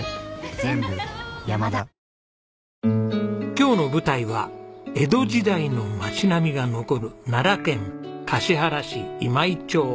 今日の舞台は江戸時代の町並みが残る奈良県橿原市今井町。